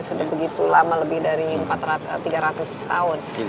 sudah begitu lama lebih dari tiga ratus tahun